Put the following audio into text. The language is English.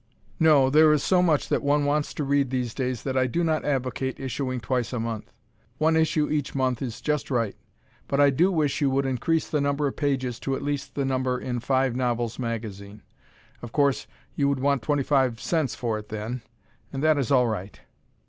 No, there is so much that one wants to read these days that I do not advocate issuing twice a month. One issue each month is just right. But I do wish you would increase the number of pages to at least the number in Five Novels magazine. Of course, you would want 25c. for it then, and that is all right.